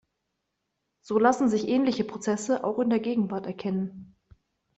So lassen sich ähnliche Prozesse auch in der Gegenwart erkennen.